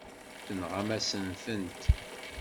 Tenɣamt-asen-tent.